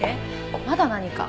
まだ何か？